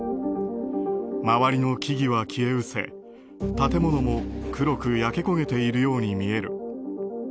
周りの木々は消え失せ、建物も黒く焼け焦げているように見える。